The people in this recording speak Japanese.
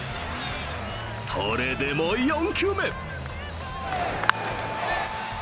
それでも４球目。